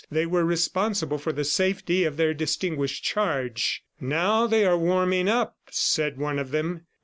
They were responsible for the safety of their distinguished charge. "Now they are warming up," said one of them.